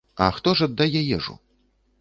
А хто ж аддае ежу?